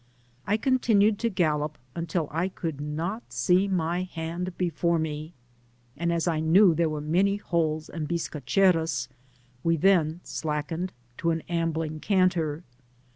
I continued to gallop until I could not see my hand before me, and as I knew there were many holes and bisca cheros, we then slackened to an ambling canter.